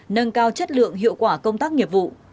nâng cao chất lượng hiệu quả công tác nghiệp vụ